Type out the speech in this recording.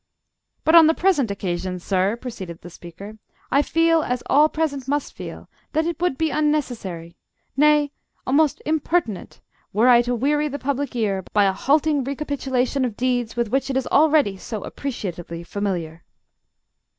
"But, on the present occasion, sir," proceeded the speaker, "I feel, as all present must feel, that it would be unnecessary nay, almost impertinent were I to weary the public ear by a halting recapitulation of deeds with which it is already so appreciatively familiar."